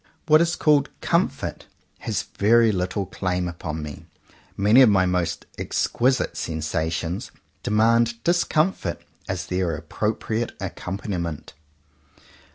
What is called "comfort" has very little claim upon me. Many of my most ex quisite sensations demand discomfort as their appropriate accompaniment.